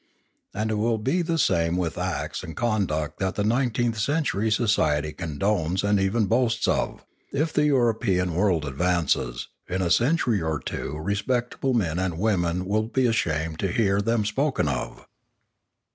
And it will be the same with acts and conduct that nineteenth century society condones and even boasts of; if the European world advances, in a century or two respectable men and women will be ashamed to hear them spoken of.